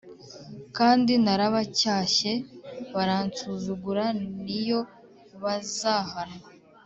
kandi narabacyashye baransuzugura niyo bazahanwa